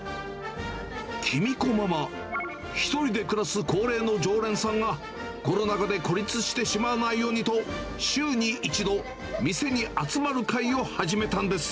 喜美子ママ、１人で暮らす恒例の常連さんがコロナ禍で孤立してしまわないようにと、週に１度、店に集まる会を始めたんです。